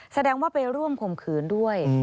แสดงว่าไปร่วมข่มขืนด้วย